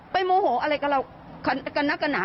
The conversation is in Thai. ไปโมโหอะไรกันละกันนะกันหนา